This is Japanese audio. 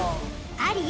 あり？